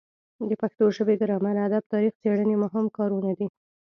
د پښتو ژبې ګرامر ادب تاریخ څیړنې مهم کارونه دي.